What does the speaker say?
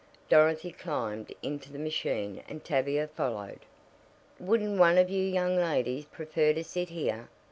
Dorothy climbed into the machine and Tavia followed. "Wouldn't one of you young ladies prefer to sit here?"